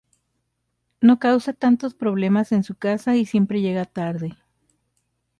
No causa tantos problemas en su casa y siempre llega tarde.